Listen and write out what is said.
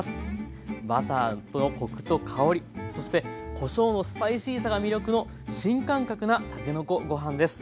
バターとコクと香りそしてこしょうのスパイシーさが魅力の新感覚なたけのこご飯です。